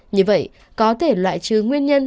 như vậy có thể loại trừ nguyên nhân